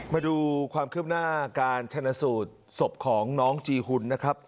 มาดูความคืบหน้าการชนะสูตรศพของน้องจีหุ่นนะครับ